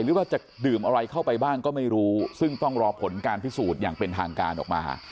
หรือว่าจะดื่มอะไรเข้าไปบ้างก็ไม่รู้ซึ่งต้องรอผลการพิสูจน์อย่างเป็นทางการออกมา